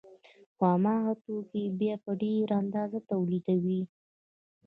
نو هماغه توکي بیا په ډېره اندازه تولیدوي